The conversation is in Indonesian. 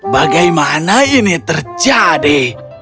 bagaimana ini terjadi